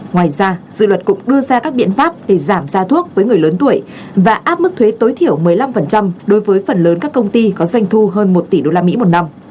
ngoài ra dự luật cũng đưa ra các biện pháp để giảm giá thuốc với người lớn tuổi và áp mức thuế tối thiểu một mươi năm đối với phần lớn các công ty có doanh thu hơn một tỷ usd một năm